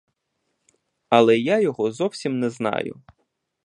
Але я його зовсім не знаю.